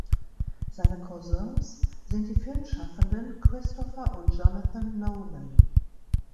Seine Cousins sind die Filmschaffenden Christopher und Jonathan Nolan.